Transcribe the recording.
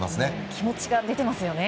気持ちが出てますよね。